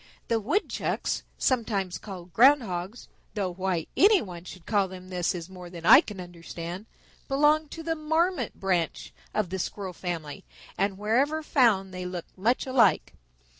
The Woodchucks, sometimes called Ground Hogs, though why any one should call them this is more than I can understand, belong to the Marmot branch of the Squirrel family, and wherever found they look much alike.